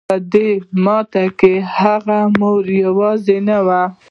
په دې ماتم کې هغه مور يوازې نه وه.